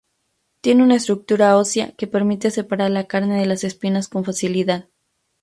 Tiene una estructura ósea que permite separar la carne de las espinas con facilidad.